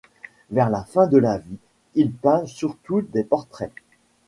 Vers la fin de sa vie, il peint surtout des portraits.